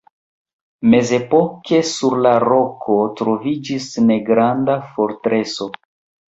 Mezepoke sur la roko troviĝis negranda fortreso.